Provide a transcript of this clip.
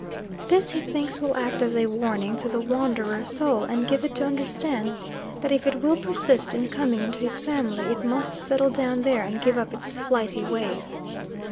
This he thinks will act as a warning to the wanderer soul and give it to understand that if it will persist in coming into his family, it must settle down there and give up its flighty ways.